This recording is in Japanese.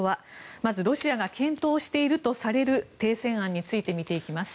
まず、ロシアが検討しているとされる停戦案について見ていきます。